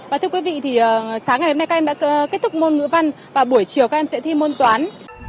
và thưa quý vị thì sáng ngày hôm nay các em đã kết thúc môn ngữ văn và buổi chiều các em sẽ thi môn toán